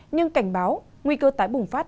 nhưng cảnh báo nguy cơ tái bùng phát